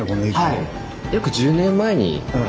はい。